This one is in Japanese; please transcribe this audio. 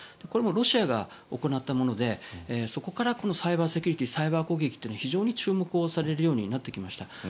これもロシアが行ったものでそこからサイバーセキュリティーサイバー攻撃というのが非常に注目されるようになってきました。